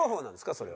それは。